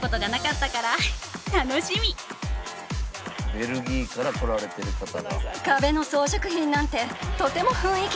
ベルギーから来られてる方が。